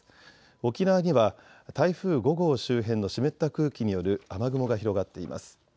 沖縄には台風５号周辺の湿った空気による雨雲が広がっています。